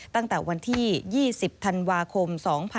ตั้งแต่วันที่๒๐ธันวาคม๒๕๖๒